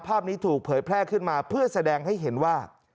ภาพนี้ถูกเผยแพร่ขึ้นมาเพื่อแสดงให้เห็นว่า